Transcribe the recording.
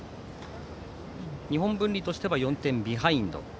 日本文理としては４点ビハインド。